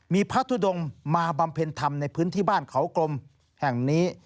มีพระทุดงมาบำเพ็ญธรรมในพื้นที่บ้านเขากลมแห่งนี้